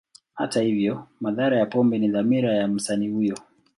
Hivyo, madhara ya pombe ni dhamira ya msanii huyo.